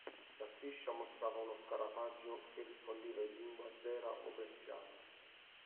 La striscia mostrava uno scarafaggio che rispondeva in lingua azera o persiana.